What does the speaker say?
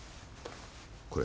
これ。